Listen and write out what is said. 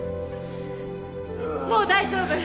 もう大丈夫！